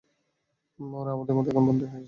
ওরাও আমাদের মতো এখানে বন্দী হয়ে আছে!